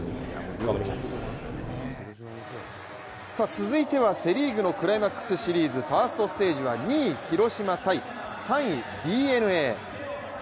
続いてはセ・リーグのクライマックスシリーズファーストステージは２位広島×３位ＤｅＮＡ。